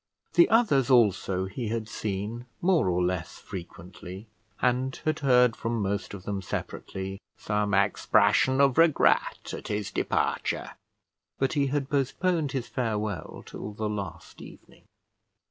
The others, also, he had seen more or less frequently; and had heard from most of them separately some expression of regret at his departure; but he had postponed his farewell till the last evening.